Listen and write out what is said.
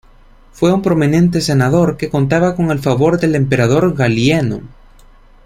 Fue un prominente senador, que contaba con el favor del emperador Galieno.